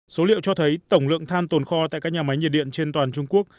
số liệu cho thấy tổng lượng than tồn kho tại các nhà máy nhiệt điện trên toàn trung quốc